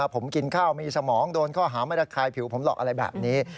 ผมกินข้าวมีสมองโดนข้อหาไม่ระคายผิวผมหรอกอะไรแบบนี้